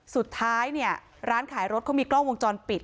สุดท้ายเนี่ยร้านขายรถเขามีกล้องวงจรปิด